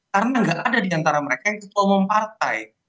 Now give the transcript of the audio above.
karena tidak ada diantara mereka yang ketua umum partai